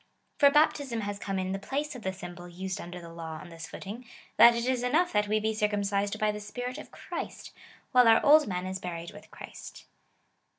For baptism has come in the place of the symbol used under the law on this footing, that it is enough that we be circum cised by the Spirit of Christ, while our old man is buried with Christ.